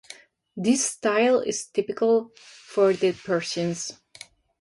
This style is typical for the Persians.